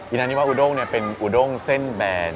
อินานิวะอุดงเนี่ยเป็นอุดงเส้นแบน